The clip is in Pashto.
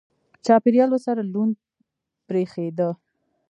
چاپېریال ورسره لوند برېښېده.